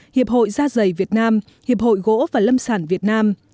hiệp hội da dày việt nam hiệp hội gỗ và lâm sản việt nam